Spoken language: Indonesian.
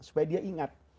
supaya dia ingat